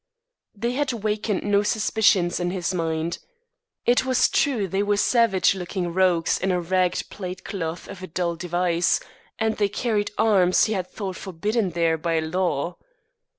They had wakened no suspicions in his mind. It was true they were savage looking rogues in a ragged plaid cloth of a dull device, and they carried arms he had thought forbidden there by law.